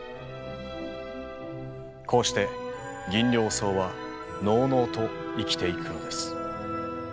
こうしてギンリョウソウはのうのうと生きていくのです。